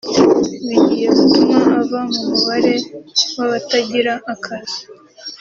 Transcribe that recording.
bigiye gutuma ava mu mubare w’abatagira akazi